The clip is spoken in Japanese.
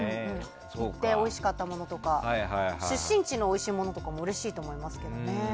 行っておいしかったものとか出身地のおいしいものとかもうれしいと思いますけどね。